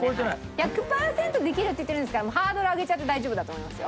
１００パーセントできるって言ってるんですからハードル上げちゃって大丈夫だと思いますよ。